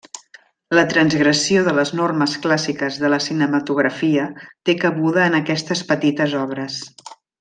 La transgressió de les normes clàssiques de la cinematografia té cabuda en aquestes petites obres.